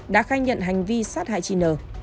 đã khai nhận hành vi sát hại chị n